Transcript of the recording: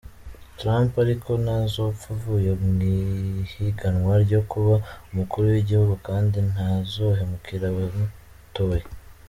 Trump ariko ntazopfa avuye mw’ihiganwa ryo kuba umukuru w’igihugu, kandi ntazohemukira abamutoye.